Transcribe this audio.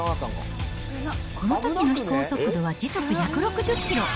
このときの飛行速度は時速１６０キロ。